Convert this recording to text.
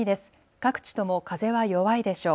各地とも風は弱いでしょう。